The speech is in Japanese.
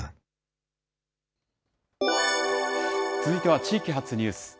続いては地域発ニュース。